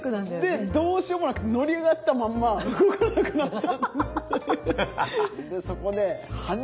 でどうしようもなく乗り上がったまんま動かなくなった。